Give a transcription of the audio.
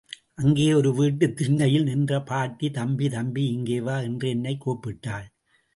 அங்கே ஒரு வீட்டுத் திண்ணையில் நின்ற பாட்டி தம்பி, தம்பி, இங்கே வா என்று என்னைக் கூப்பிட்டாள்.